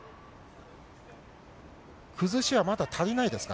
崩しはまだ足りないですか？